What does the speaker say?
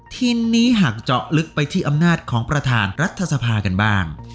ทีนี้หากเจาะลึกไปที่อำนาจของประธานรัฐสภากันบ้าง